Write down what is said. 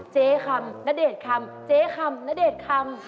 เจ๊คำณเดชน์คำเจ๊คำณเดชน์คำ